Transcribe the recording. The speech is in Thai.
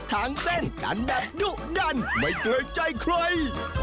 ทางเส้นการแบบดุดันไม่เกลียดใจใคร